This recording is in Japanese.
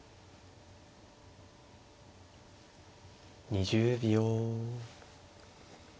２０秒。